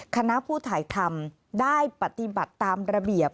คณะผู้ถ่ายทำได้ปฏิบัติตามระเบียบ